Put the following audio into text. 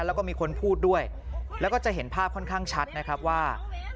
แล้วก็มีคนพูดด้วยแล้วก็จะเห็นภาพค่อนข้างชัดนะครับว่า